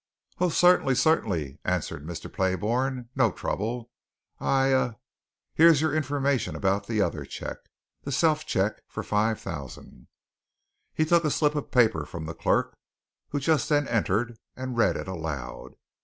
"Oh, certainly, certainly," answered Mr. Playbourne. "No trouble. I'll ah, here's your information about the other cheque the self cheque for five thousand." He took a slip of paper from the clerk who just then entered, and read it aloud.